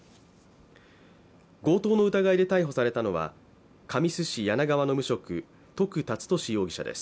強盗の疑いで逮捕されたのは神栖市柳川の無職、徳龍敏容疑者です。